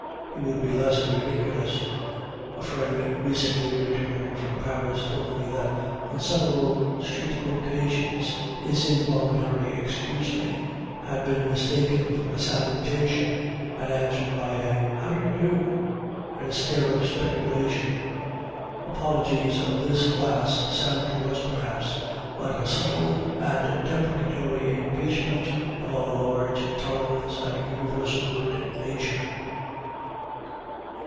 He would be less ridiculous. A friend recently returned from Paris told me that, on several street occasions, his involuntary "Excuse me!" had been mistaken for a salutation and answered by a "How do you do?" and a stare of speculation. Apologies of this class sound to us, perhaps, like a subtle and deprecatory impeachment of our large tolerance and universal good nature.